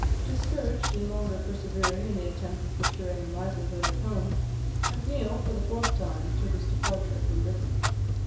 Discouraged in longer persevering in the attempt of procuring a livelihood at home, Macneill, for the fourth time, took his departure from Britain.